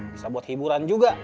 bisa buat hiburan juga